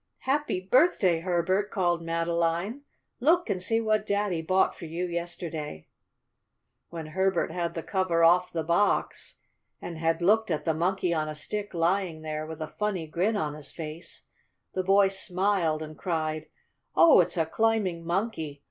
"Happy birthday, Herbert!" called Madeline. "Look and see what Daddy bought for you yesterday!" When Herbert had the cover off the box and had looked at the Monkey on a Stick lying there with a funny grin on his face, the boy smiled and cried: "Oh, it's a Climbing Monkey!